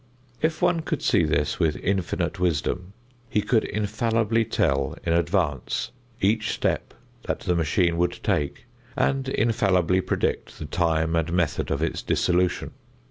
If one could see this with infinite wisdom, he could infallibly tell in advance each step that the machine would take and infallibly predict the time and method of its dissolution.